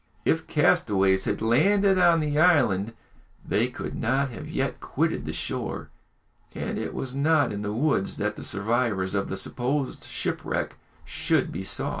If castaways had landed on the island, they could not have yet quitted the shore and it was not in the woods that the survivors of the supposed shipwreck should be sought.